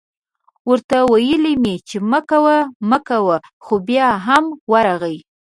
ورته ویل مې چې مه کوه مه کوه خو بیا هم ورغی